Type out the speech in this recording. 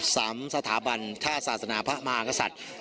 สามสถาบันถ้าศาสนาพระมหากษัตริย์